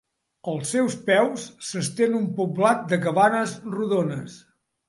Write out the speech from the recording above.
Als seus peus s'estén un poblat de cabanes rodones.